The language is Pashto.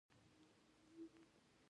د مایع په جامد بدلیدو ته انجماد وايي.